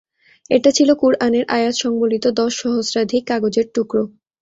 এটা ছিল কুরআনের আয়াত সংবলিত দশ সহস্রাধিক কাগজের টুকরো।